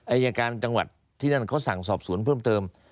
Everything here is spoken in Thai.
อายการจังหวัดที่นั่นเขาสั่งสอบสวนเพิ่มเติม